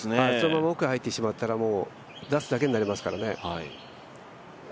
そのまま奥へ入ってしまったら出すだけになりますからね。